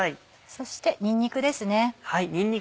そしてにんにくですね。